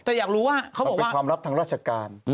แต่อยากรู้ว่าเขาบอกเป็นความลับทางราชการ